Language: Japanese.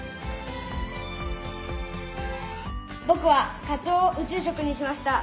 僕はカツオを宇宙食にしました。